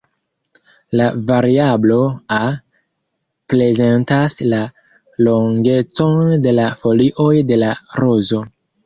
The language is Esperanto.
La variablo "a" prezentas la longecon de la folioj de la rozo.